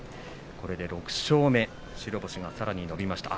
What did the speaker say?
これで６勝目白星がさらに伸びました。